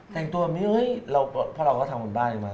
แต่งตัวแบบนี้เฮ้ยเพราะเราก็ทำเหมือนบ้างออกมา